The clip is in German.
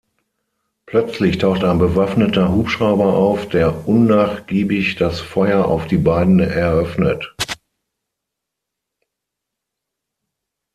Plötzlich taucht ein bewaffneter Hubschrauber auf, der unnachgiebig das Feuer auf die beiden eröffnet.